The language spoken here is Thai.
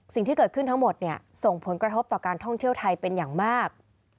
สิ่งที่เกิดขึ้นทั้งหมดเนี่ยส่งผลกระทบต่อการท่องเที่ยวไทยเป็นอย่างมาก